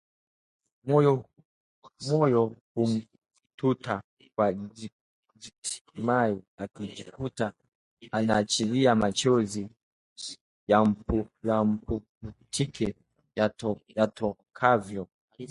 Moyo humtuta kwa jitimai akajikuta anayaachilia machozi yampukutike yatakavyo